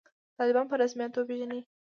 طالبان په رسمیت وپېژنئ